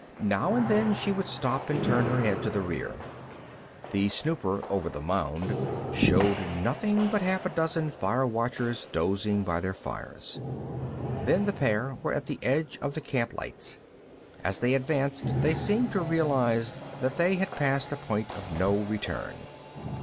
Now and then, she would stop and turn her head to the rear. The snooper over the mound showed nothing but half a dozen fire watchers dozing by their fires. Then the pair were at the edge of the camp lights. As they advanced, they seemed to realize that they had passed a point of no return.